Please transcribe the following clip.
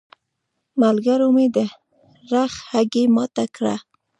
ملګرو مې د رخ هګۍ ماته کړه.